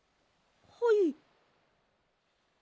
はい。